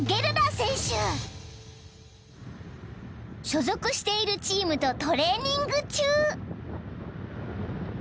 ［所属しているチームとトレーニング中］